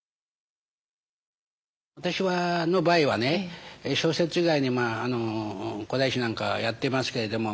私の場合はね小説以外に古代史なんかやってますけれども。